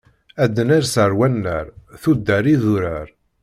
Ad d-ners ar wannar, tuddar idurar.